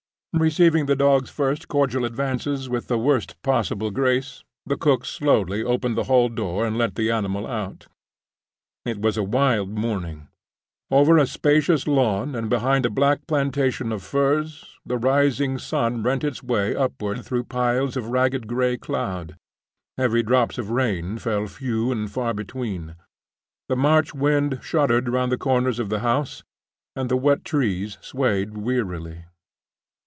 Receiving the dog's first cordial advances with the worst possible grace, the cook slowly opened the hall door and let the animal out. It was a wild morning. Over a spacious lawn, and behind a black plantation of firs, the rising sun rent its way upward through piles of ragged gray cloud; heavy drops of rain fell few and far between; the March wind shuddered round the corners of the house, and the wet trees swayed wearily.